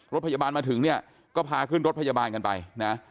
รถพยาบาลมาถึงเนี่ยก็พาขึ้นรถพยาบาลกันไปนะ